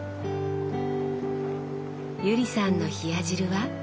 友里さんの冷や汁は？